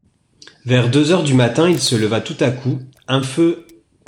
Vers deux heures du matin, il se leva tout à coup :« Un feu